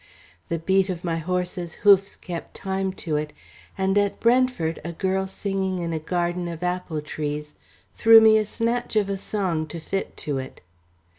The beat of my horse's hoofs kept time to it, and at Brentford a girl singing in a garden of apple trees threw me a snatch of a song to fit to it.